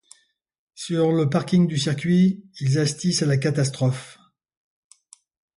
Sur le parking du circuit, ils assistent à la catastrophe.